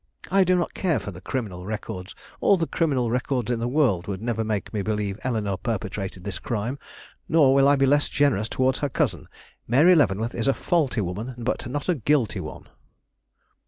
"I do not care for the criminal records. All the criminal records in the world would never make me believe Eleanore perpetrated this crime, nor will I be less generous towards her cousin. Mary Leavenworth is a faulty woman, but not a guilty one."